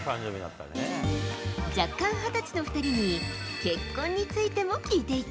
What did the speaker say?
弱冠２０歳の２人に結婚についても聞いていた。